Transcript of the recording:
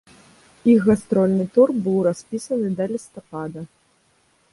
Іх гастрольны тур быў распісаны да лістапада.